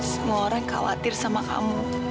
semua orang khawatir sama kamu